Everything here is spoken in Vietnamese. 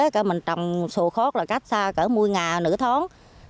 cái mình trồng sổ khót là cách xa cả một mươi ngà nửa tháng